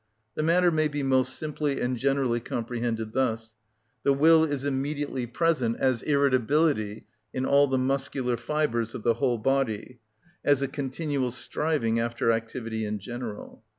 The matter may be most simply and generally comprehended thus: the will is immediately present as irritability in all the muscular fibres of the whole body, as a continual striving after activity in general.